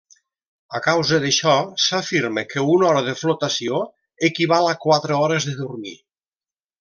A causa d’això s’afirma que una hora de flotació equival a quatre hores de dormir.